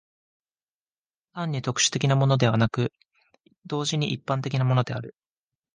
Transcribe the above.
単に特殊的なものでなく、同時に一般的なものである。